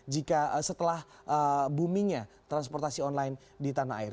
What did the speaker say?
jika setelah boomingnya transportasi online di tanah air